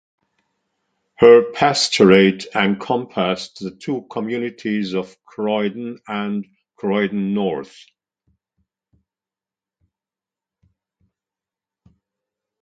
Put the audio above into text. Her pastorate encompassed the two communities of Croydon and Croydon North.